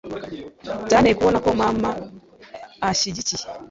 byanteye kubona ko mama anshyigikiye